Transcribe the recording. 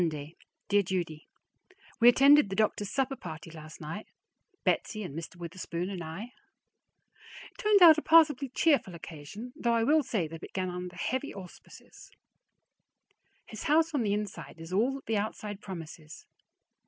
Monday. Dear Judy: We attended the doctor's supper party last night, Betsy and Mr. Witherspoon and I. It turned out a passably cheerful occasion, though I will say that it began under heavy auspices. His house on the inside is all that the outside promises.